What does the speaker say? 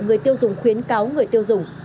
người tiêu dùng khuyến cáo người tiêu dùng